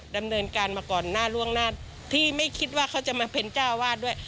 ดำเนินการมาก่อนหน้าล่วงหน้าที่ไม่คิดว่าเขาจะมาเป็นเจ้าวาดด้วย